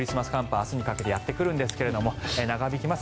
明日にかけてやってくるんですが長引きます。